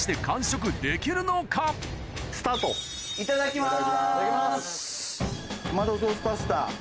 いただきます。